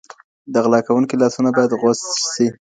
د غلا کوونکي لاسونه بايد غوڅ سي.